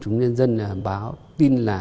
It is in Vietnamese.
chúng nhân dân báo tin là